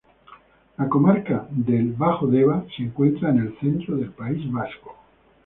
La comarca del Bajo Deba se encuentra en el centro del País Vasco.